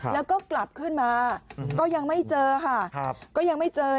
แล้วก็กลับขึ้นมาก็ยังไม่เจอค่ะ